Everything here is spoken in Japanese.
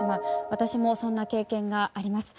私もそんな経験があります。